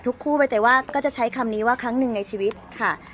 คู่ใบเตยว่าก็จะใช้คำนี้ว่าครั้งหนึ่งในชีวิตค่ะ